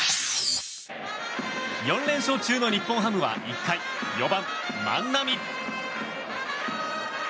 ４連勝中の日本ハムは１回４番、万波。